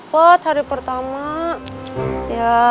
padahal ini malu